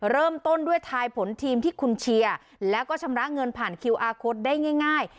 เริ่มต้นด้วยทายผลทีมที่คุณเชียร์แล้วก็ชำระเงินผ่านคิวอาร์โค้ดได้ง่าย